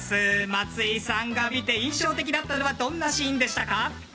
松井さんが見て印象的だったのはどんなシーンでしたか。